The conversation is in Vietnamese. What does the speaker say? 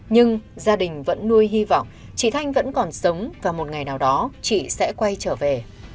nhưng gia đình vẫn nuôi hy vọng chị thanh vẫn còn sống và một ngày nào đó chị sẽ quay trở về